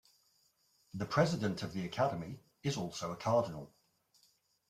The president of the Academy is also a cardinal.